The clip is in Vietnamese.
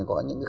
có những cái